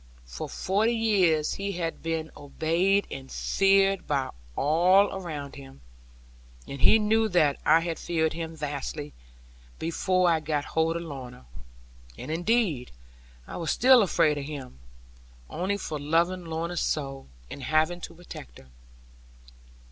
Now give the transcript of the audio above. For forty years he had been obeyed and feared by all around him; and he knew that I had feared him vastly, before I got hold of Lorna. And indeed I was still afraid of him; only for loving Lorna so, and having to protect her.